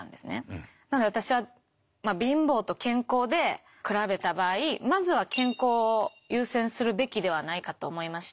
なので私は貧乏と健康で比べた場合まずは健康を優先するべきではないかと思いました。